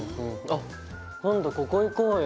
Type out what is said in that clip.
あっ今度ここ行こうよ。